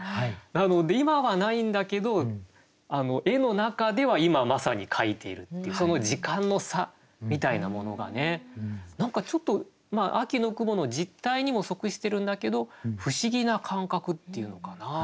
なので今はないんだけど絵の中では今まさに描いているっていうその時間の差みたいなものが何かちょっと秋の雲の実態にも即してるんだけど不思議な感覚っていうのかな。